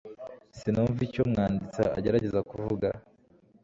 sinumva icyo umwanditsi agerageza kuvuga